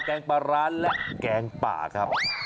งปลาร้าและแกงป่าครับ